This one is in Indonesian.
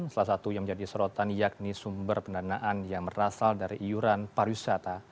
salah satu yang menjadi sorotan yakni sumber pendanaan yang berasal dari iuran pariwisata